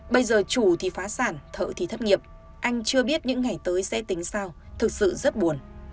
bây giờ chủ thì phá sản thợ thì thất nghiệp anh chưa biết những ngày tới sẽ tính sao thực sự rất buồn